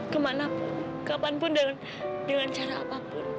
kemana kapanpun dengan cara apapun